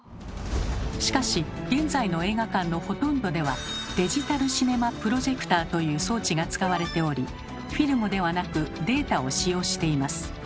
しかし現在の映画館のほとんどでは「デジタルシネマプロジェクター」という装置が使われておりフィルムではなくデータを使用しています。